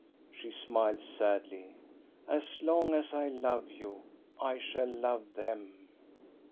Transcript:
" She smiled sadly. " As long as I love you, I shall love them."